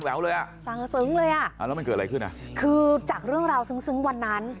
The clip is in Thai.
แล้วสงสึงเลยบังกับแล้วมันเกิดอะไรขึ้นคือจากเรื่องราวซึ้งซึ้งวันนั้น